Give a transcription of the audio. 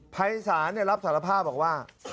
ภัยศาลรับสารภาพบอกว่า